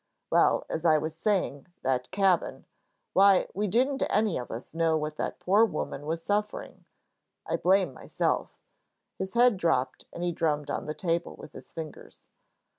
"Well, as I was saying, that cabin why, we didn't any of us know what that poor woman was suffering. I blame myself," his head dropped and he drummed on the table with his fingers.